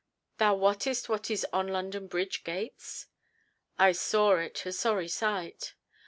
"Thou wottest what is on London Bridge gates?" "I saw it, a sorry sight."